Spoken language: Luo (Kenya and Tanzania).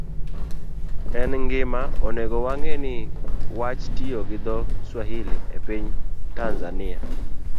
En gima onego wang'e ni wach tiyo gi dho-Swahili e piny Tanzania,